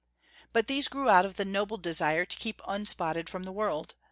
But these grew out of the noble desire to keep unspotted from the world.